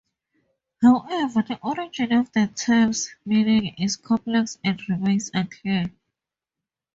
However, the origin of the term's meaning is complex and remains unclear.